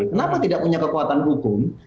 kenapa tidak punya kekuatan hukum